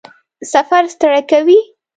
سفر ستړی کوي؟